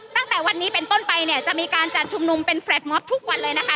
ตั้งแต่วันนี้เป็นต้นไปเนี่ยจะมีการจัดชุมนุมเป็นแฟลตมอบทุกวันเลยนะคะ